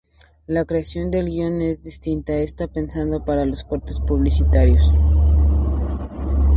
La creación del guion es distinta: está pensada para los cortes publicitarios.